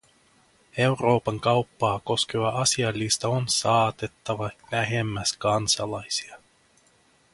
Euroopan kauppaa koskeva asialista on saatettava lähemmäs kansalaisia.